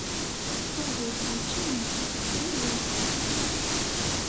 Uhu, maci d nekk, d kenwi!